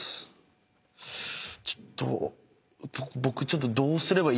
ちょっと。